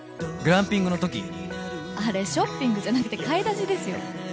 グランピングの時あれショッピングじゃなくて買い出しですよ